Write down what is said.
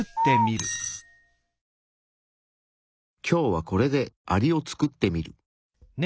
今日はこれでアリを作ってみる。